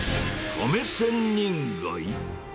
亀仙人街？